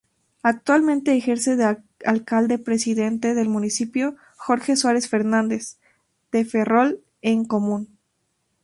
Actualmente ejerce de Alcalde-Presidente del municipio Jorge Suárez Fernández, de Ferrol en Común.